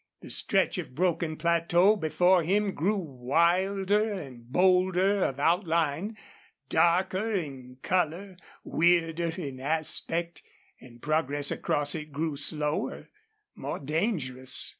The stretch of broken plateau before him grew wilder and bolder of outline, darker in color, weirder in aspect, and progress across it grew slower, more dangerous.